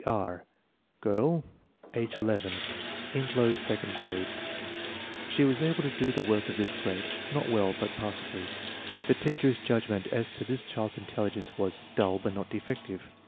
R* Girl, age 11; in low second grade. She was able to do the work of this grade, not well, but passably. The teacher's judgment as to this child's intelligence was "dull but not defective."